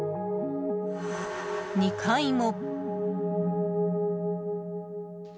２階も。